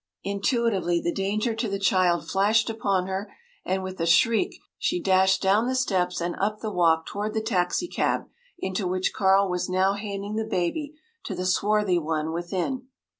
Intuitively, the danger to the child flashed upon her, and with a shriek she dashed down the steps and up the walk toward the taxicab, into which Carl was now handing the baby to the swarthy one within.